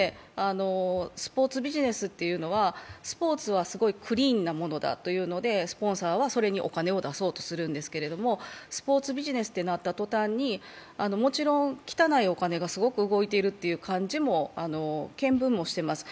スポーツビジネスというのはスポーツはすごいクリーンなものだというのでスポンサーはそれにお金を出そうとするんですけれども、スポーツビジネスとなった途端に、もちろん汚いお金がすごく動いているという見聞もしています。